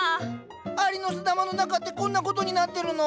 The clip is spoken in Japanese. アリノスダマの中ってこんなことになってるの？